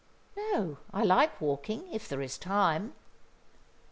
"No, I like walking, if there is time."